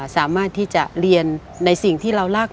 สามารถที่จะเรียนในสิ่งที่เรารัก